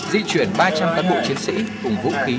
di chuyển ba trăm linh cán bộ chiến sĩ cùng vũ khí